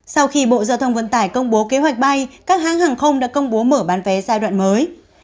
sau khi bộ giao thông vận tải công bố kế hoạch bay các hãng hàng không đã công bố mở bán vé giai đoạn mới